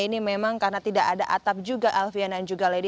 ini memang karena tidak ada atap juga alfian dan juga lady